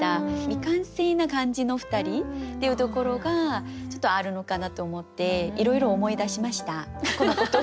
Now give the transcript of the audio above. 未完成な感じの２人っていうところがちょっとあるのかなと思っていろいろ思い出しました過去のこと。